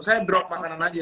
saya drop makanan aja